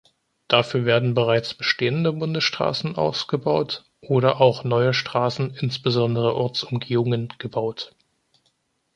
Dafür werden bereits bestehende Bundesstraßen ausgebaut oder auch neue Straßen, insbesondere als Ortsumgehungen, gebaut.